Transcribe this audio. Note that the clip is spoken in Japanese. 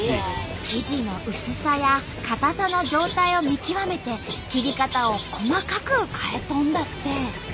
生地の薄さや硬さの状態を見極めて切り方を細かく変えとんだって。